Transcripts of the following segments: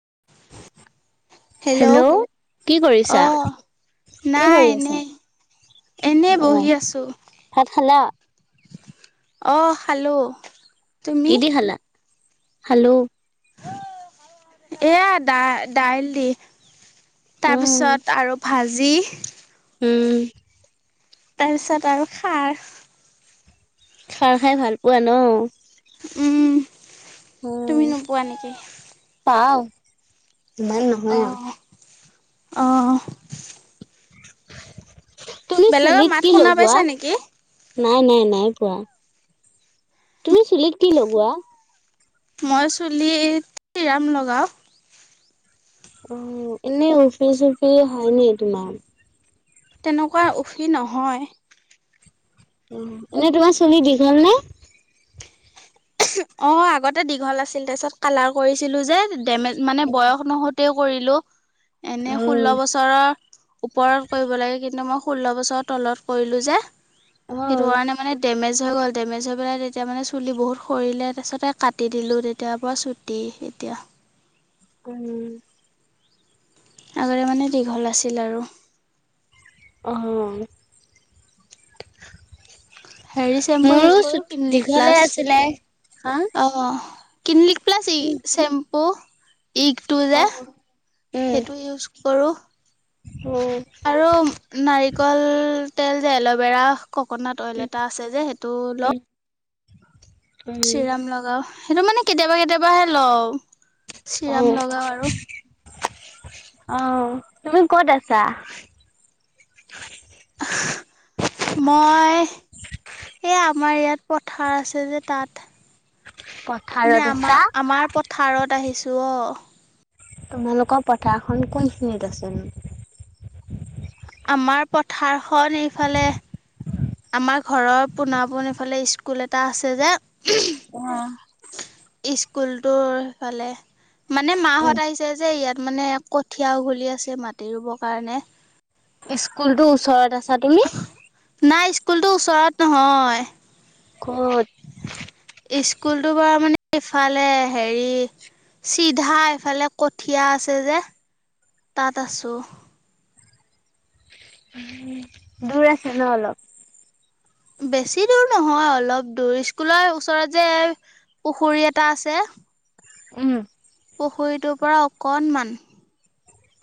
[unintelligible] Hello কি কৰিছা? অ, কি নাই কৰি আছা? এনে এনে অ বহি আছোঁ। ভাত খালা? অ খালো। তুমি কিহেদি খলা, হেল্ল' এয়া দা দাইল দি। উম তাৰপিছত আৰু ভাজি উম তাৰপিছত আৰু খাৰ। খাৰ খাই ভাল পোৱা ন? উম তুমি উম নোপোৱা নেকি পাওঁ। আহ অ তুমি বেলেগৰ চুলিত মাত কি শুনা লগোৱা? পাইছা নেকি নাই নাই নাই পোৱা তুমি চুলিত কি লগোৱা? মই চুলিত চিৰাম লগাও। উম, এনেই উফি-চুফি হয় নি তোমাৰ? তেনেকুৱা উফি নহয়। উম, এনেই তোমাৰ চুলি দীঘল নে? অ', আগতে দীঘল আছিল। তাৰপিছত কালাৰ কৰিছিলো যে, ডেমেজ, মানে বয়স নহওঁতেই কৰিলো, এনে অ ষোল্ল বছৰৰ ওপৰত কৰিব লাগে কিন্তু মই ষোল্ল বছৰ তলত কৰিলোঁ যে, অ সেইটো কাৰণে মানে ডেমেজ হৈ গ'ল ডেমেজ হৈ পেলায় তেতিয়া মানে চুলি বহুত সৰিলে তাৰপিছতে কাটি দিলোঁ তেতিয়াৰ পৰা চুটি এতিয়া। উম। আগতে মানে দীঘল আছিল আৰু। অহ। হেৰি চেম্পু ইউজ মোৰো চু কৰো দীঘলে ক্লিনিকপ্লাছ আছিলে। হা? অ'। ক্লিনিক প্লাছ ই উম চেম্পু। ইগটো অ যে উম সেইটো ইউজ কৰোঁ। আৰু নাৰিকল তেল যে এল'ভেৰা কক'নাট অইল এটা আছে যে সেইটো উম লওঁ। উম চিৰাম লগাওঁ সেইটো মানে কেতিয়াবা কেতিয়াবাহে লওঁ। চিৰাম লগাওঁ আৰু। অহ তুমি ক'ত আছা? [inaudible] মই এই আমাৰ ইয়াত পথাৰ আছে যে তাত। মানে পথাৰত আছা? আমাৰ আমাৰ পথাৰত আহিছোঁ অ'। তোমালোকৰ পথাৰখন কোনখিনিত আছেনো? আমাৰ পথাৰখন এইফালে আমাৰ ঘৰৰ পোণা পোন এফালে স্কুল এটা আছে যে আহ [inaudible] স্কুলটোৰ ফালে মানে মাহঁত আহিছে যে ইয়াত মানে কঠীয়া উঘলি আছে মাটি ৰুবৰ কাৰণে। স্কুলটো ওচৰত আছা তুমি? নাই স্কুলটো ওচৰত নহয়। ক'ত? স্কুলটো বাৰু মানে ইফালে হেৰি চিধা এইফালে কঠীয়া আছে যে, তাত আছোঁ। দূৰ আছে ন অলপ? বেছি দূৰ নহয়, অলপ দূৰ। স্কুলৰ ওচৰত যে পুখুৰী এটা আছে [inaudible] উম। পুখুৰীটোৰ পৰা অকণমান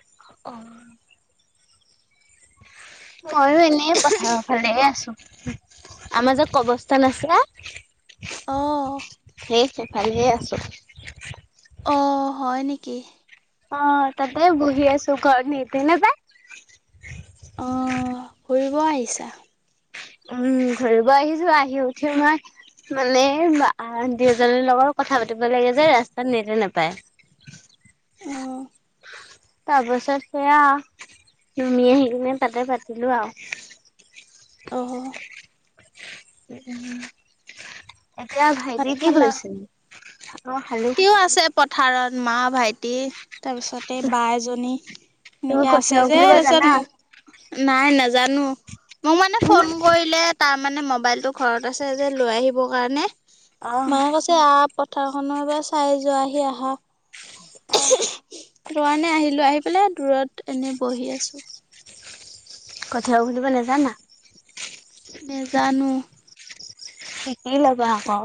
অ' মইও এনে পথাৰৰ ফালেই আছোঁ। আমাৰ যে কবৰস্থান আছে অ' সেইফালেই আছোঁ। অ', হয় নেকি? অ', তাতে বহি আছোঁ, ঘৰত নেটে নাপায়। ঘূৰিব আহিছা? উম, ঘূৰিব আহিছোঁ, আহি উঠি মই মানে, আ দুইজনীৰ লগত কথা পাতিব লাগে যে, ৰাস্তাত নেটে নেপায়। [inaudible] তাৰপাছত সেয়া তুমি আহি কিনে তাতে পাতিলো আৰু। অ', এতিয়া ভাত ভাইটি কি খালা কৰিছিল? সিও আছে পথাৰত মা ভাইটি তাৰপিছত এই বা এজনী তুমি এনেকে কঠীয়া আছে যে উঘালিব তাৰপিছত জানা? মোক নাই নে জানো মোক মানে ফোন কৰিলে তাৰ মানে মবাইলতটো ঘৰত আছে যে লৈ আহিব কাৰণে অ মায়ে কৈছে আ পথাৰখনো এবাৰ চাই যোৱা আহি আহা সেইটো কাৰণে আহিলো আহি পেলাই দূৰত এনে বহি আছোঁ। কঠীয়া বুলিব নাজানা? নেজানো। শিকি লবা আকৌ।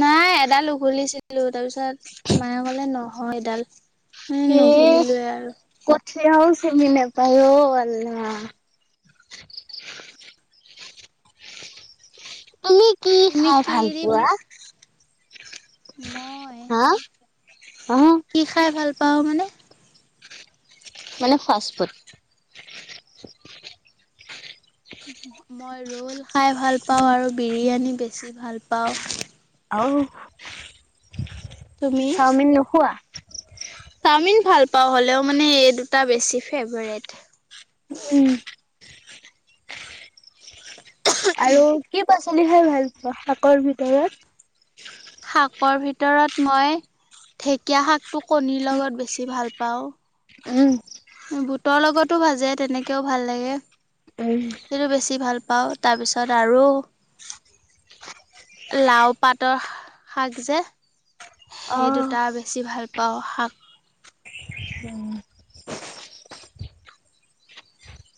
নাই এডাল উঘলিছিলো তাৰপিছত মায়ে কলে নহয় এডাল এ নঘুলিলোৱে আৰু। কঠিয়াও চিনি নাপাই অ আল্লা। তুমি কি তুমি খাই কি ভাল দি পোৱা? মই হা কি খাই ভাল পাৱ মানে? মানে ফাষ্টফুড মই ৰোল খাই ভাল পাওঁ আৰু বিৰিয়ানী বেছি ভাল পাওঁ। আৰু তুমি? চাওমিন নোখোৱা? চাওমিন ভাল পাওঁ হ'লেও মানে এই দুটা বেছি ফেভাৰেট। উম। আৰু কি পাচলি খাই ভাল পোৱা শাকৰ ভিতৰত? শাকৰ ভিতৰত মই ঢেকীয়া শাকটো কণীৰ লগত বেছি ভাল পাওঁ। উম। বুটৰ লগতো ভাজে তেনেকেও ভাল লাগে। উম সেইটো বেছি ভাল পাওঁ তাৰপিছত আৰু লাও পাতৰ শাক যে অ সেই দুটা বেছি ভাল পাওঁ শাক।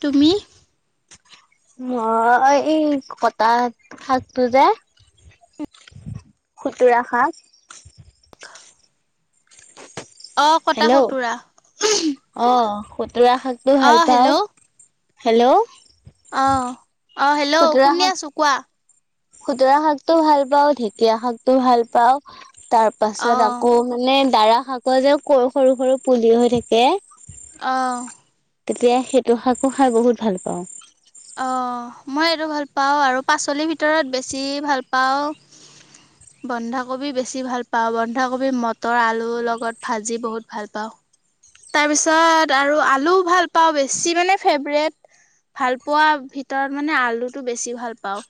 তুমি? মই এই কটা শাকটো যে- খুতুৰা শাক। অ কটা হেল্ল' খুতুৰা। অ খুতুৰা শাকটো ভাল অ' পাওঁ, হেল্ল' হেল্ল' অ অ হেল্ল' খুতুৰা শুনি শাক আছো কোৱা। খুতুৰা শাকটো ভাল পাওঁ ঢেকীয়া শাকটো ভাল পাওঁ। তাৰ পাছত অ' আকৌ মানে দাৰা শাকৰ যে সৰু সৰু পুলি হৈ থাকে। অঁ। তেতিয়া সেইটো শাকো খাই বহুত ভাল পাওঁ। অ মই এইটো ভাল পাওঁ আৰু পাচলিৰ ভিতৰত বেছি ভাল পাওঁ। বন্ধাকবি বেছি ভাল পাওঁ বন্ধাকবি মটৰ আলুৰ লগত ভাজি বহুত ভাল পাওঁ। তাৰপিছত আৰু আলু ভাল পাওঁ বেছি মানে ফেভৰেট। ভাল পোৱা ভিতৰত মানে আলুটো বেছি ভাল পাওঁ।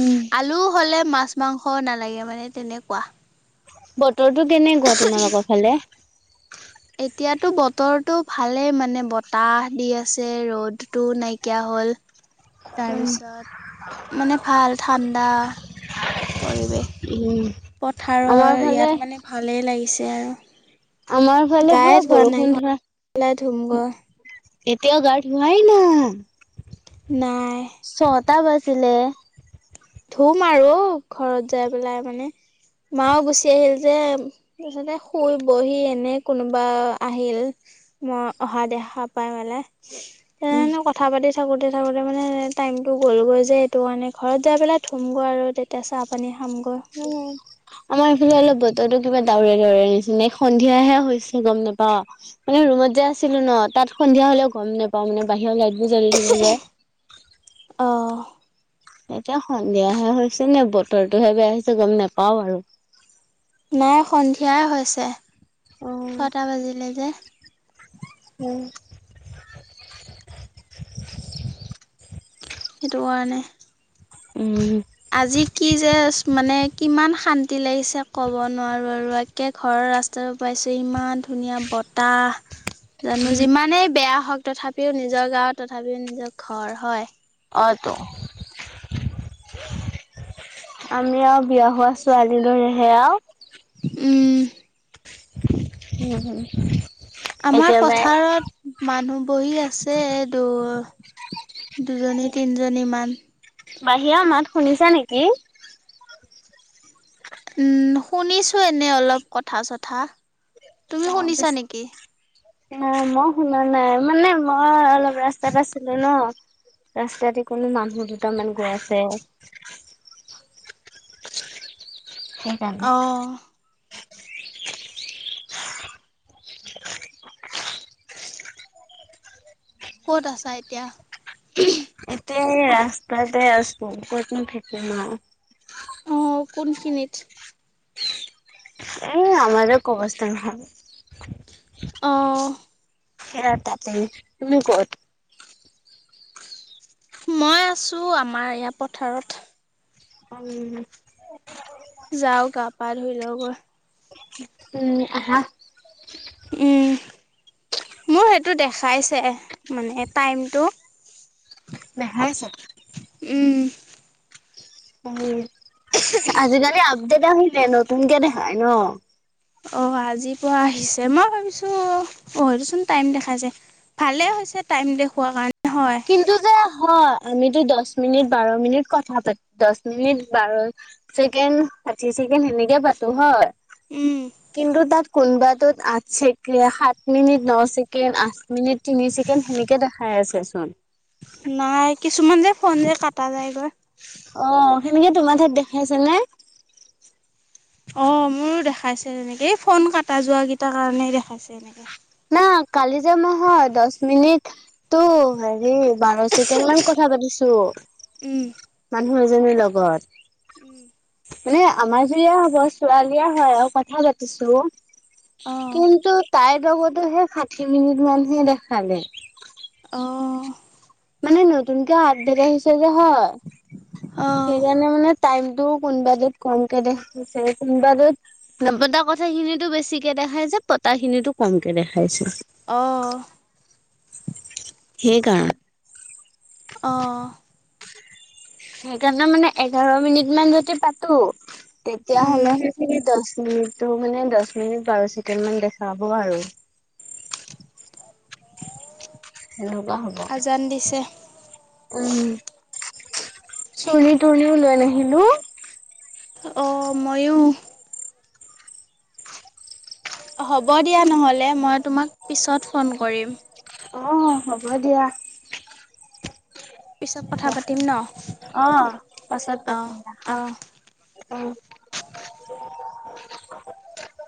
উম। আলু হলে মাছ মাংস নালাগে মানে তেনেকুৱা। বতৰটো কেনেকুৱা তোমালোকৰ ফালে? এতিয়াতো বতৰটো ভালেই মানে বতাহ দি আছে ৰ'দটো নাইকিয়া হ'ল। তাৰপিছত মানে ভাল ঠাণ্ডা। পৰিৱেশ উম। পথাৰৰ আমাৰ ফালে ইয়াত মানে ভালেই লাগিছে আৰু। আমাৰ ফালে গায়ে পোৰা ধোৱা নাই বৰষুণ ঘৰ ধৰা পেলাই ধুমগৈ এতিয়াও গা ধোৱাই না নাই। কেইটা বাজিলে? ধুম আৰু ঘৰত যাই পেলাই মানে। মাও গুচি আহিল যে তাৰপিছতে শুই বহি এনে কোনোবা আহিল। মই অহা দেখা পাই মেলে। উম। তেনেধৰণৰ কথা পাতি থাকোতে থাকোতে মানে টাইমটো গ'ল গৈ যে, এইটো কাৰণে ঘৰত যাই পেলাই ধুম গৈ' আৰু তেতিয়া চাহ পানী খামগৈ উম আমাৰ এইফালে অলপ বতৰো কিবা ডাৱৰীয়া - ডাৱৰীয়া নিচিনা এই সন্ধিয়াহে হৈছে গম নাপাও মানে ৰুমত যে আছিলো ন তাত সন্ধিয়া। হলেও গম নেপাওঁ মানে বাহিৰৰ লাইট বোৰ জ্বলি থাকে যে। অঁ এতিয়া সন্ধিয়াহে হৈছে নে বতৰটোহে বেয়া হৈছে গম নাপাও আৰু। নাই সন্ধিয়াই হৈছে, ছয়টা বাজিলে যে। [inaudible] সেইটো কাৰণে। উম। আজি কি যে মানে কিমান শান্তি লাগিছে ক'ব নোৱাৰো আৰু একে ঘ ৰাস্তাটো পাইছো ইমান ধুনীয়া বতাহ জানো যিমানেই বেয়া হওঁক তথাপিও নিজৰ গাঁওত তথাপিও নিজৰ ঘৰ হয়। অ' টো। আমি আৰু বিয়া হোৱা ছোৱালী দৰেহে আৰু। উম উম উম। আমাৰ পথাৰত মানুহ বহী আছে এই দু দুজনী - তিনিজনীমান। বাহিৰা মাত শুনিছা নেকি? উম, শুনিছো এনে অলপ কথা - চথা। তুমি শুনিছা পিছে নেকি? অ' মই শুনা নাই মানে মই অলপ ৰাস্তাত আছিলো ন। ৰাস্তাতে কোনো মানুহ দুটামান গৈ আছে। সেইকাৰণে। অ ক'ত আছা এতিয়া? এতিয়া ৰাস্তাতে আছো, কতনো থাকিম আৰু। অ কোনখিনিত? এই আমাৰ কঅৱস্থা নহয়। আহঁ। সেয়া তাতে তুমি ক'ত? মই আছোঁ আমাৰ ইয়াৰ পথাৰত। অম। যাও গা পা ধুই লও গৈ। উম আহা। উম। মোৰ সেইটো দেখাইছে মানে টাইমটো। দেখাইছে। উম। উম আজিকালি আপডেট আহি যায় নতুনকে দেখাই ন। অ আজি পুৱা আহিছে মই ভাবিছো অ সেইটোচোন টাইম দেখাইছে। ভালে হৈছে টাইম দেখুৱা কাৰণে। হয় কিন্তু যে হয় আমিতো দহ মিনিট বাৰ মিনিট কথা পাতি দহ মিনিট বাৰ ছেকেণ্ড পাতিছোঁ [unintelligible] সেনেকে পাতো হয়? উম কিন্তু তাত কোনবাটোত আঠ চেকে- সাত মিনিট ন ছেকেণ্ড, আঠ মিনিট তিনি চেকেণ্ড, সেনেকে দেখাই আছে চোন! নাই, কিছুমান যে ফোন এ কাটা যায়গৈ। অ', সেনেকে তোমাৰ ঠাইত দেখাইছে নে? অ, মোৰো দেখাইছে তেনেকে, এই ফোন কাটা যোৱা কিটাৰ কাৰণে দেখাইছে এনেকে। ন কালি যে নহয়, দহ মিনিট তো হেৰি বাৰ ছেকেণ্ড মান কথা পাতিছোঁ। মানুহ এজনীৰ লগত। উম। মানে আমাজৰিয়া হ'ব ছোৱালীয়ে হয় আৰু কথা পাতিছোঁ। অঁ কিন্তু তাইৰ লগতোহে ষাঠি মিনিট মানহে দেখালে। অহ। মানে নতুনকে আবডেট আহিছে যে হয়, অঁ সেইকাৰণে মানে টাইম টোত কোনোবাটোত কমকে দেখাইছে কোনোবাটোত নপতা কথাখিনিটো বেছিকে দেখাইছে পতাখিনিটো কমকে দেখাইছে। অহ। সেইকাৰণ অহ। সেইকাৰণে মানে এঘাৰ মিনিট মান যদি পাতো উম তেতিয়াহ'লে সেইখিনি দশ মিনিটো মানে দশ মিনিট বাৰ ছেকেণ্ড মান দেখাব আৰু। সেনেকুৱা হ'ব, আজান দিছে উম। চুলি তুলিও লৈ নাহিলো। অ', ময়ো। হ'ব দিয়া নহ'লে, মই তোমাক পিছত ফোন কৰিম। অ', হ'ব দিয়া। পিছত কথা পাতিম ন অ', পাছত অঁ পাতিম অ', অঁ অ'। [inaudible]